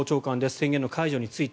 宣言の解除について。